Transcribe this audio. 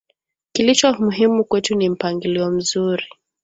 kilicho muhimu kwetu ni mpangilio mzuri